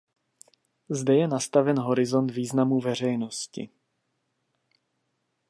Zde je nastaven horizont významu veřejnosti.